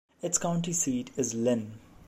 Its county seat is Linn.